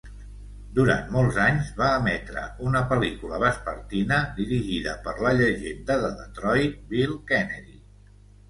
Durant molts anys, va emetre una pel·lícula vespertina dirigida per la llegenda de Detroit Bill Kennedy.